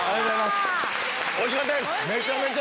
おいしかったです。